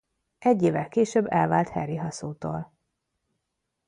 Egy évvel később elvált Harry Hassotól.